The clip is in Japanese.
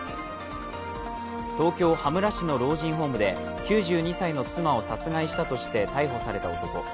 東京・羽村市の老人ホームで９２歳の妻を殺害したとして逮捕された男。